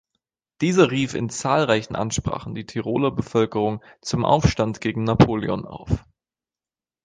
Dieser rief in zahlreichen Ansprachen die Tiroler Bevölkerung zum Aufstand gegen Napoleon auf.